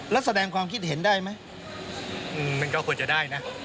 แล้วแสดงความคิดเห็นได้ไหมมันก็ควรจะได้นะ